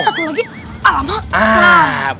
satu lagi alamak